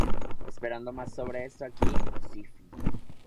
Esperando más sobre esto aquí cf.